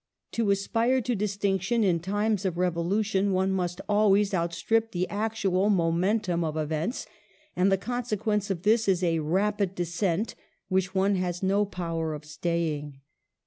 To aspire to distinction in times of revolution one must always outstrip the actual momentum of events, and the consequence of this is a rapid descent which one has no power of staying.